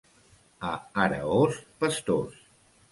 A Araós, pastors.